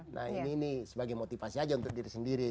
nah ini sebagai motivasi aja untuk diri sendiri